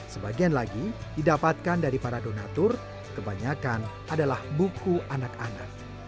sebagian lagi didapatkan dari para donatur kebanyakan adalah buku anak anak